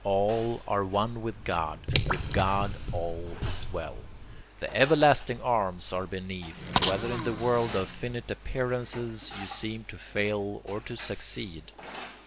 All are one with God, and with God all is well. The everlasting arms are beneath, whether in the world of finite appearances you seem to fail or to succeed."